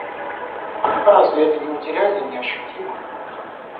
Разве это не материально, не ощутимо?